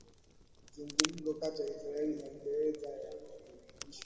zungumzo kati ya israel na uingereza ya ahirishwa